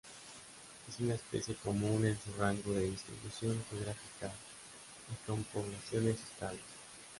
Es una especie común en su rango de distribución geográfica y con poblaciones estables.